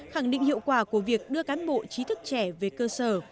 khẳng định hiệu quả của việc đưa cán bộ trí thức trẻ về cơ sở